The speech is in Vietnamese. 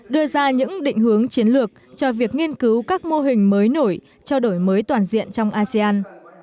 đưa ra những định hướng chiến lược cho việc nghiên cứu các mô hình mới nổi cho đổi mới toàn diện trong asean